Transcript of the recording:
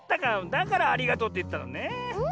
だから「ありがとう」っていったのねえ。